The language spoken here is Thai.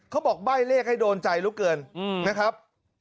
เขาบอกใบ้เลขให้โดนใจรู้ครับ